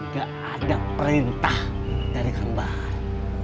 gak ada perintah dari kang bahar